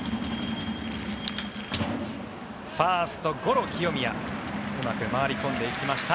ファーストゴロ、清宮うまく回り込んでいきました。